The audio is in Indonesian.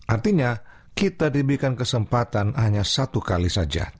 artinya kita diberikan kesempatan hanya satu kali saja